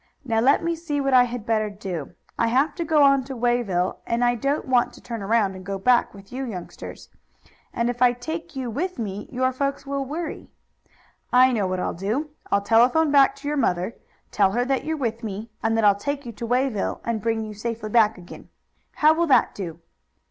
Now let me see what I had better do. I have to go on to Wayville, and I don't want to turn around and go back with you youngsters. And if I take you with me your folks will worry. "I know what I'll do. I'll telephone back to your mother, tell her that you're with me, and that I'll take you to Wayville, and bring you safely back again. How will that do?"